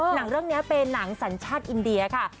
หนังนี้เป็นหนังสัญญาณชาติอินเดียค่ะ